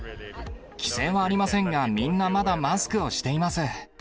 規制はありませんが、みんなまだマスクをしています。